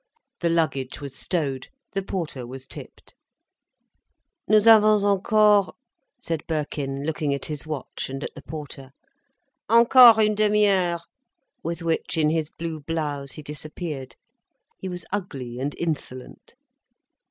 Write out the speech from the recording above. The luggage was stowed, the porter was tipped. "Nous avons encore—?" said Birkin, looking at his watch and at the porter. "Encore une demi heure." With which, in his blue blouse, he disappeared. He was ugly and insolent.